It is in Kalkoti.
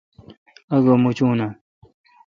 آگہ موچونہ؟